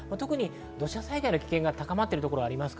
土砂災害の危険が高まっているところがあります。